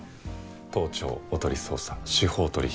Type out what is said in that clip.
盗聴おとり捜査司法取引。